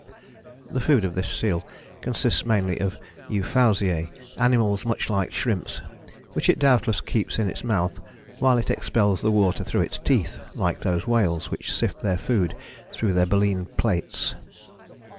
" The food of this seal consists mainly of Euphausiae, animals much like shrimps, which it doubtless keeps in its mouth while it expels the water through its teeth, like those whales which sift their food through their baleen plates."